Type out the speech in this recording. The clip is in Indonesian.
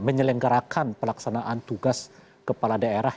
menyelenggarakan pelaksanaan tugas kepala daerah